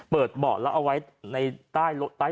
เปิดเบาะแล้วเอาไว้ในใต้เบาะก็ได้